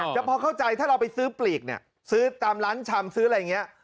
แต่พอเข้าใจถ้าเราไปซื้อปลีกเนี่ยซื้อตามร้านชำซื้ออะไรอย่างนี้